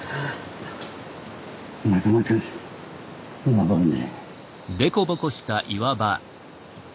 なかなか登るね。